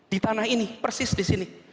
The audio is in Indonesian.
di tanah ini